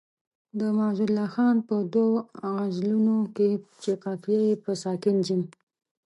د معزالله خان په دوو غزلونو کې چې قافیه یې په ساکن جیم.